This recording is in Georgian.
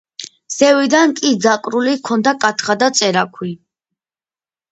ზევიდან კი დაკრული ჰქონდა კათხა და წერაქვი.